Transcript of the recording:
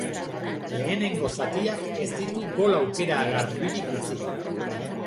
Lehenengo zatiak ez digu gol-aukera garbirik utzi.